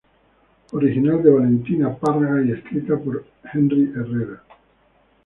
Original de Valentina Párraga y escrita por Henry Herrera.